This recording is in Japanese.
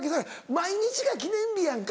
毎日が記念日やんか。